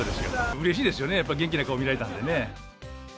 うれしいですよね、やっぱり元気な顔が見られたんでね。